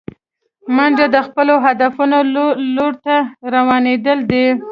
منډه د خپلو هدفونو لور ته روانېدل دي